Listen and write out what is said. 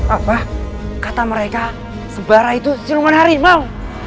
apa kata mereka sebarah itu cuma harimau